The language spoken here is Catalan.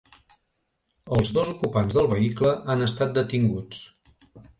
Els dos ocupants del vehicle han estat detinguts.